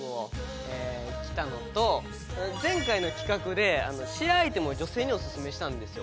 前回の企画でシアーアイテムを女性にオススメしたんですよ。